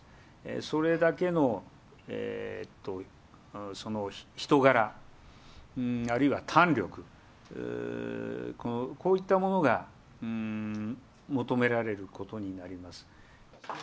それだけの人柄、あるいは胆力、こういったものが求められることになります。